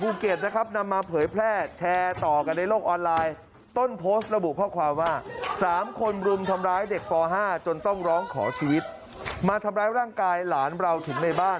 อื้อข้าวหลังข้าวหลัง